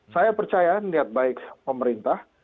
saya percaya niat baik pemerintah